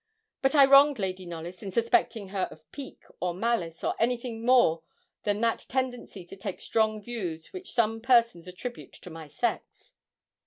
But I wronged Lady Knollys in suspecting her of pique, or malice, or anything more than that tendency to take strong views which some persons attribute to my sex.